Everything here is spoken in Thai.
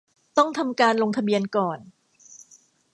ต้องทำการลงทะเบียนก่อน